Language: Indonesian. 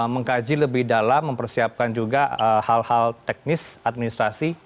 mengkaji lebih dalam mempersiapkan juga hal hal teknis administrasi